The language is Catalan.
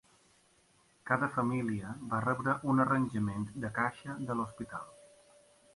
Cada família va rebre un arranjament de caixa de l'hospital.